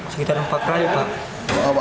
sekitar empat kali pak